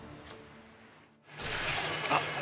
あっ。